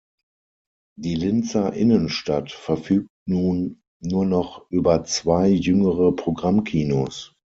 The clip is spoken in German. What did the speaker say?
Die Linzer Innenstadt verfügt nun nur noch über zwei jüngere Programmkinos.